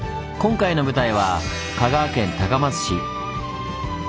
今回の舞台は香川県高松市。